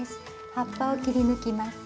葉っぱを切り抜きます。